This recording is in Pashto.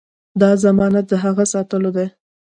دا ضمانت د هغه ساتلو دی.